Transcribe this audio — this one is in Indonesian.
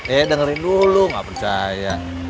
eh dengerin dulu nggak percaya